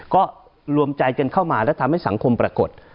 ก็รวมใจกันเข้ามาและทำให้สังคมปรากฏ